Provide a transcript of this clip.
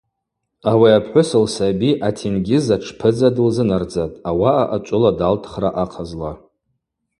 Ауи апхӏвыс лсаби атенгьыз атшпыдза дылзынардзатӏ – ауаъа ачӏвыла далтхра ахъазла.